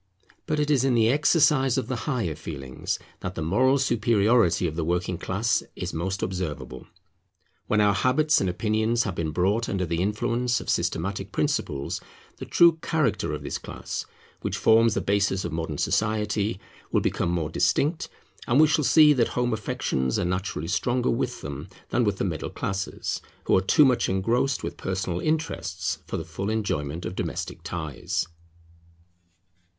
But it is in the exercise of the higher feelings that the moral superiority of the working class is most observable. When our habits and opinions have been brought under the influence of systematic principles, the true character of this class, which forms the basis of modern society, will become more distinct; and we shall see that home affections are naturally stronger with them than with the middle classes, who are too much engrossed with personal interests for the full enjoyment of domestic ties.